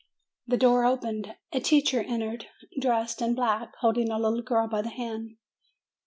The door opened; a teacher entered, dressed in black, holding a little girl by the hand.